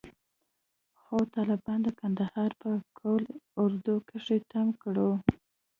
خو طالبانو د کندهار په قول اردو کښې تم کړو.